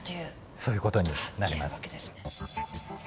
そういう事になります。